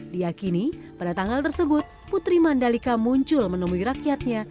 diakini pada tanggal tersebut putri mandalika muncul menemui rakyatnya